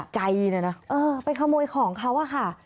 กล้าจริงะนะฟังใจมารึเปล่าอืมไปขโมยของเขา